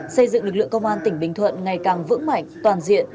xây dựng lực lượng công an tỉnh bình thuận ngày càng vững mạnh toàn diện